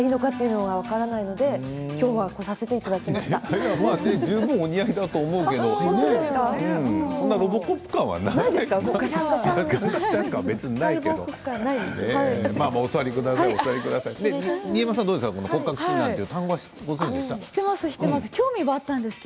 そんなロボコップ感はないよ。